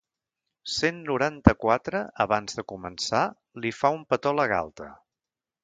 Cent noranta-quatre abans de començar, li fa un petó a la galta.